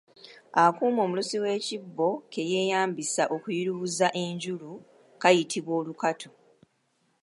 Akuuma omulusi w'ekibbo ke yeeyambisa okuyubuluza enjulu kayitibwa Olukatu.